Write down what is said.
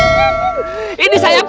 situasinya serem banget